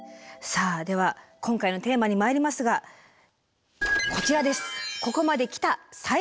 さあでは今回のテーマにまいりますがこちらです。